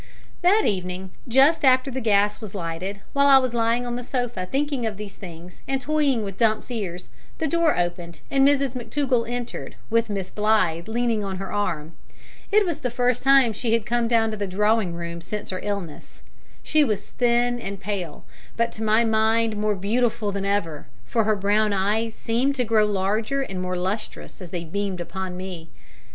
That evening, just after the gas was lighted, while I was lying on the sofa thinking of these things, and toying with Dumps's ears, the door opened and Mrs McTougall entered, with Miss Blythe leaning on her arm. It was the first time she had come down to the drawing room since her illness. She was thin, and pale, but to my mind more beautiful than ever, for her brown eyes seemed to grow larger and more lustrous as they beamed upon me.